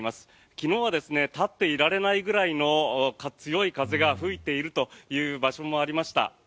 昨日は立っていられないぐらいの強い風が吹いているという場所もありました。